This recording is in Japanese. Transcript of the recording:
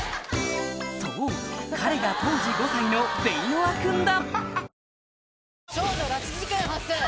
そう彼が当時５歳のベイ・ノア君だ